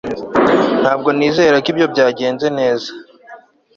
ntabwo nizera ko ibyo byagenze neza